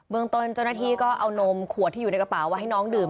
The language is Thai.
เมืองตนเจ้าหน้าที่ก็เอานมขวดที่อยู่ในกระเป๋าไว้ให้น้องดื่ม